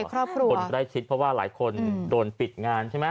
คนใกล้ชิดเพราะว่าหลายคนโดนปิดงานใช่ไหม